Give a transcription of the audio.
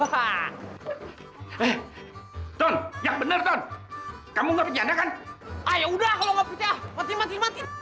hai eh ton yang bener bener kamu nggak pijak kan ayah udah kalau nggak pijak mati mati mati